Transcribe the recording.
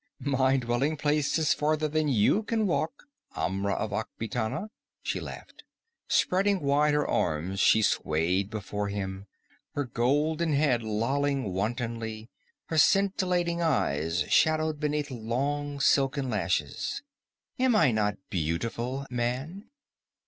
"My dwelling place is further than you can walk, Amra of Akbitana!" she laughed. Spreading wide her arms she swayed before him, her golden head lolling wantonly, her scintillant eyes shadowed beneath long silken lashes. "Am I not beautiful, man?"